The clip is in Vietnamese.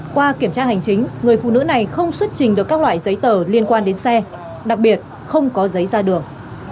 qua kiểm tra hành chính người phụ nữ này không xuất trình được các loại giấy tờ liên quan đến xe đặc biệt không có giấy ra đường